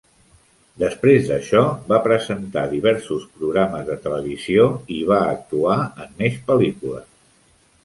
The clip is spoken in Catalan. Després d'això, va presentar diversos programes de televisió i va actuar en més pel·lícules.